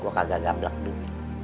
gue kagak gablak duit